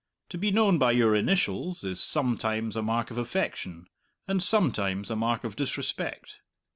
To be known by your initials is sometimes a mark of affection, and sometimes a mark of disrespect.